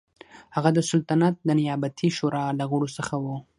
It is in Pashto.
هغه د سلطنت د نیابتي شورا له غړو څخه و.